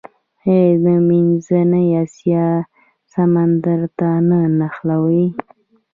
آیا منځنۍ اسیا سمندر ته نه نښلوي؟